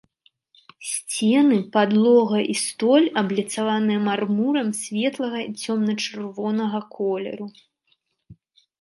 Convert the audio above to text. Сцены, падлога і столь абліцаваныя мармурам светлага і цёмна-чырвонага колеру.